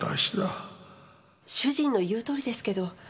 主人の言うとおりですけど。